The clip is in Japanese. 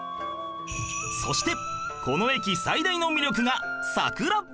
そしてこの駅最大の魅力が桜